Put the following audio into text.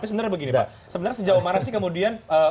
sebenarnya sejauh mana sih kemudian